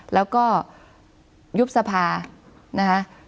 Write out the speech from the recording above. แล้วก็ยุบสภานะคะ